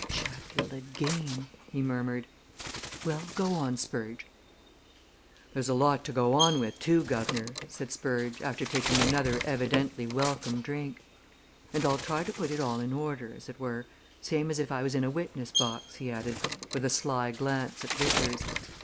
"Chatfield again!" he murmured. "Well, go on, Spurge." "There's a lot to go on with, too, guv'nor," said Spurge, after taking another evidently welcome drink. "And I'll try to put it all in order, as it were same as if I was in a witness box," he added, with a sly glance at Vickers.